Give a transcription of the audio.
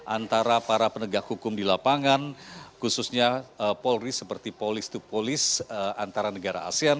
antara para penegak hukum di lapangan khususnya polri seperti polis to polis antara negara asean